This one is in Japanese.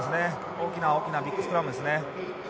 大きな大きなビッグスクラムですね。